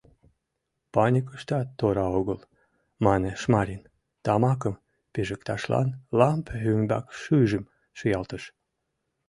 — Паникышкат тора огыл, — мане Шмарин, - тамакым пижыкташлан лампе ӱмбак шӱйжым шуялтыш.